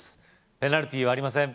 ペナルティーはありません